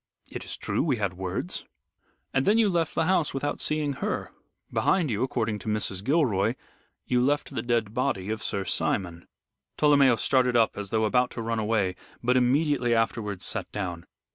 "It is true, we had words." "And then you left the house without seeing her. Behind you, according to Mrs. Gilroy, you left the dead body of Sir Simon." Tolomeo started up as though about to run away, but immediately afterwards sat down.